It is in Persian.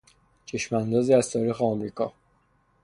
چشماندازی از تاریخ امریکا